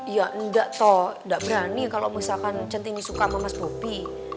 ya enggak toh gak berani kalau misalkan centini suka sama mas bobi